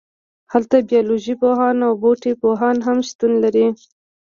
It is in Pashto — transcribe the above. هلته بیالوژی پوهان او بوټي پوهان هم شتون لري